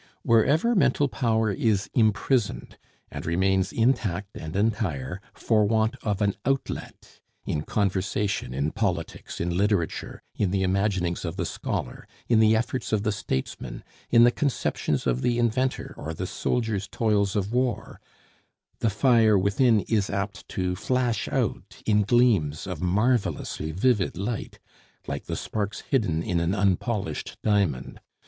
Wherever mental power is imprisoned, and remains intact and entire for want of an outlet in conversation, in politics, in literature, in the imaginings of the scholar, in the efforts of the statesman, in the conceptions of the inventor, or the soldier's toils of war; the fire within is apt to flash out in gleams of marvelously vivid light, like the sparks hidden in an unpolished diamond.